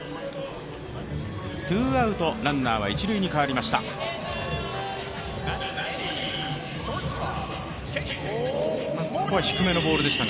ツーアウトランナーは一塁に変わりました。